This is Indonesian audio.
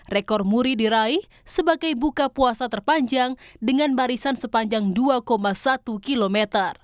rekor muri diraih sebagai buka puasa terpanjang dengan barisan sepanjang dua satu km